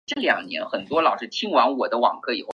紫花橐吾是菊科橐吾属的植物。